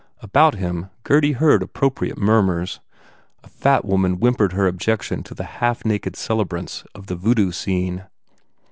About him Gurdy heard appropriate murmurs. A fat woman whim pered her objection to the half naked celebrants of the Voodoo scene.